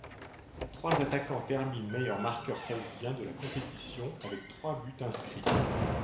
Trois attaquants terminent meilleurs marqueurs saoudiens de la compétition avec trois buts inscrits.